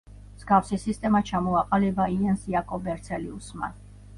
მსგავსი სისტემა ჩამოაყალიბა იენს იაკობ ბერცელიუსმა.